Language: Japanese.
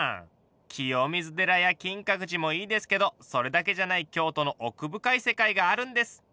清水寺や金閣寺もいいですけどそれだけじゃない京都の奥深い世界があるんです。